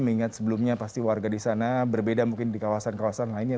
mengingat sebelumnya pasti warga di sana berbeda mungkin di kawasan kawasan lainnya